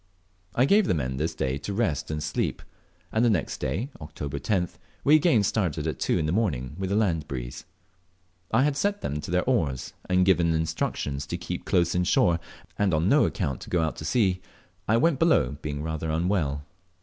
I gave the men this day to rest and sleep; and the next day (Oct. 10th) we again started at two in the morning with a land breeze. After I had set them to their oars, and given instructions to keep close in shore, and on no account to get out to sea, I went below, being rather unwell.